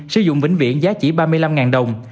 sử dụng vĩnh viễn giá trị ba mươi năm đồng